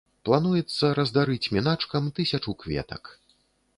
Плануецца раздарыць міначкам тысячу кветак.